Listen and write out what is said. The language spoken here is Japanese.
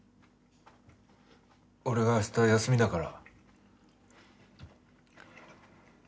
俺が明日休みだから？